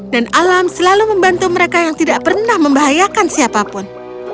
dan alam selalu membantu mereka yang tidak pernah membahayakan siapapun